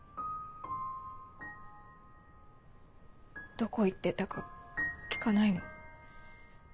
どこ行ってたか聞かないの？